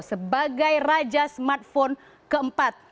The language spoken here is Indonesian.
sebagai raja smartphone keempat